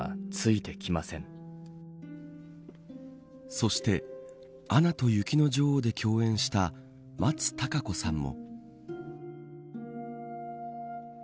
そしてアナと雪の女王で共演した松たか子さんも。